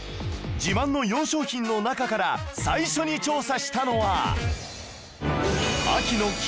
自慢の４商品の中から最初に調査したのは